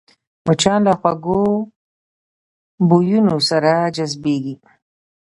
مچان له خوږو بویونو سره جذبېږي